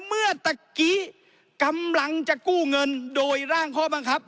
เมื่อกี้กำลังจะกู้เงินโดยร่างข้อบังคับ